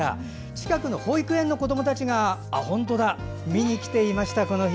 近くの保育園の子どもたちが見に来ていました、この日。